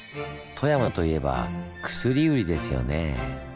富山といえば薬売りですよね。